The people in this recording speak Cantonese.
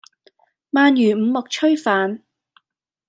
鰻魚五目炊飯